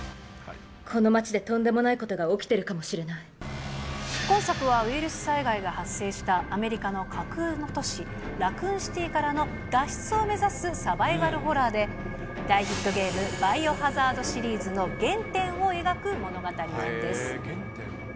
この町でとんでもないことが今作はウイルス災害が発生したアメリカの架空の都市、ラクーンシティからの脱出を目指すサバイバルホラーで、大ヒットゲーム、バイオハザードシリーズの原点を描く物語なんです。